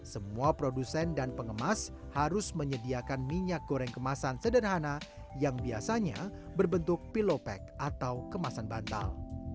semua produsen dan pengemas harus menyediakan minyak goreng kemasan sederhana yang biasanya berbentuk pilopek atau kemasan bantal